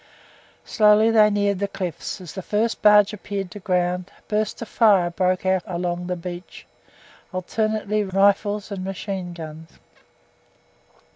Slowly they neared the cliffs; as the first barge appeared to ground, a burst of fire broke out along the beach, alternately rifles and machine guns.